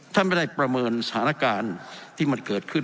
ท่านไม่ได้ประเมินสถานการณ์ที่มันเกิดขึ้น